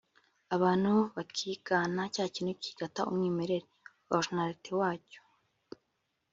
abantu bakigana cya kintu kigata umwimerere (originalité) wacyo